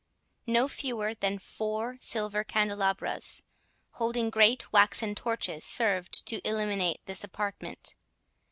No fewer than four silver candelabras, holding great waxen torches, served to illuminate this apartment.